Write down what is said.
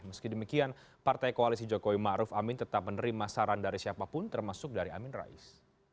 meski demikian partai koalisi jokowi ⁇ maruf ⁇ amin tetap menerima saran dari siapapun termasuk dari amin rais